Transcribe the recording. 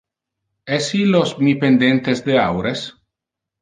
Es illos mi pendentes de aures?